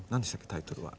タイトルは。